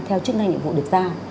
theo chức năng nhiệm vụ được ra